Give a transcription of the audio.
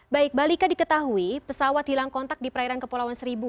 baik mbak lika diketahui pesawat hilang kontak di perairan kepulauan seribu